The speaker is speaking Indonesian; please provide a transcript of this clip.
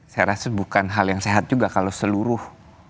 saya rasa bukan hal yang sehat juga kalau seluruh